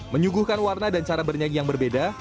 menyuguhkan warna dan cara bernyanyi yang berbeda